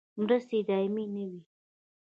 مرستې دایمي نه وي